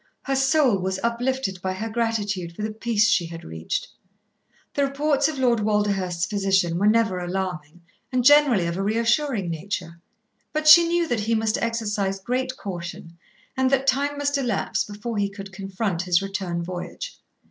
Her soul was uplifted by her gratitude for the peace she had reached. The reports of Lord Walderhurst's physician were never alarming and generally of a reassuring nature. But she knew that he must exercise great caution, and that time must elapse before he could confront his return voyage.